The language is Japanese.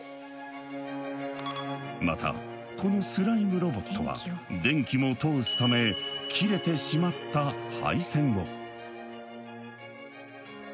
またこのスライムロボットは電気も通すため切れてしまった配線を。